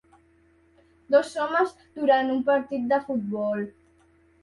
Dos homes durant un partit de futbol